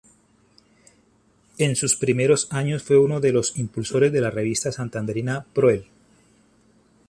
En sus primeros años fue uno de los impulsores de la revista santanderina "Proel".